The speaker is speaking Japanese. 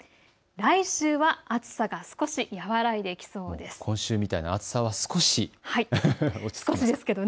来週は暑さ、少し和らいでいきそうです。